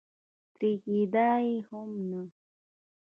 ترې کېده یې هم نه.